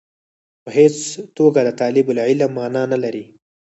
په هېڅ توګه د طالب العلم معنا نه لري.